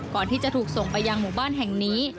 ก่อนที่จะถูกส่งไปยังหมู่บ้านแห่งนี้